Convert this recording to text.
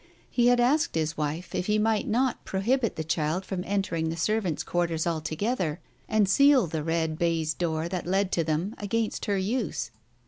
He had asked his wife if he might not prohibit the child from entering the servants' quarters altogether, and seal the red baize door that led to them against her use.